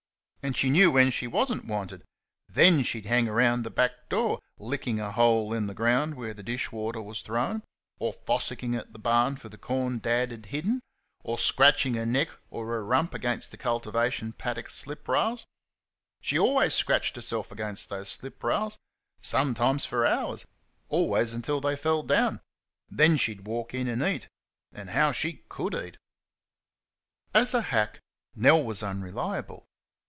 And she knew when she was n't wanted; then she'd hang about the back door licking a hole in the ground where the dish water was thrown, or fossicking at the barn for the corn Dad had hidden, or scratching her neck or her rump against the cultivation paddock slip rails. She always scratched herself against those slip rails sometimes for hours always until they fell down. Then she'd walk in and eat. And how she COULD eat! As a hack, Nell was unreliable.